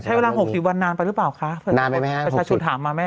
ใช้เวลาหกสิบวันนานไปหรือเปล่าคะนานไปไหมฮะหกสิบถามมาแม่